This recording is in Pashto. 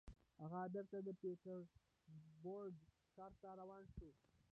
هغه بېرته د پیټرزبورګ ښار ته روان شو